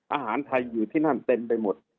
อาหารไทยอยู่ที่นั่นเต็มไปหมด